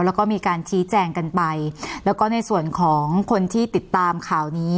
แล้วก็มีการชี้แจงกันไปแล้วก็ในส่วนของคนที่ติดตามข่าวนี้